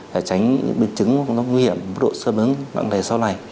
để tránh bệnh chứng nguy hiểm bất độ sơ mứng vận đề sau này